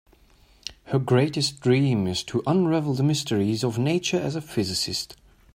Her greatest dream is to unravel the mysteries of nature as a physicist.